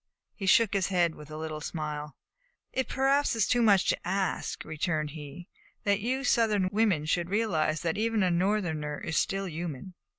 He shook his head, with a little smile. "It is perhaps too much to ask," returned he, "that you Southern women should realize that even a Northerner is still human."